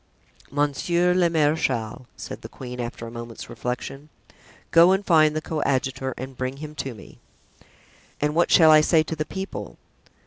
"Monsieur le marechal," said the queen, after a moment's reflection, "go and find the coadjutor and bring him to me." "And what shall I say to the people?"